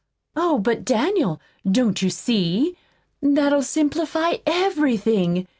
"Oh, but Daniel, don't you see? that'll simplify everything.